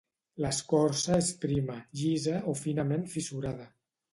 L'escorça és prima, llisa o finament fissurada.